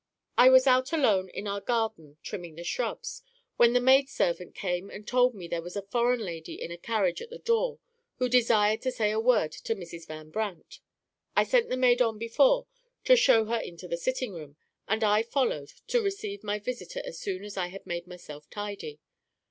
"I was out alone in our garden, trimming the shrubs, when the maid servant came and told me there was a foreign lady in a carriage at the door who desired to say a word to Mrs. Van Brandt. I sent the maid on before to show her into the sitting room, and I followed to receive my visitor as soon as I had made myself tidy.